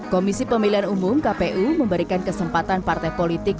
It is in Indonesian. komisi pemilihan umum kpu memberikan kesempatan partai politik